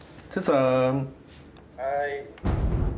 「はい」。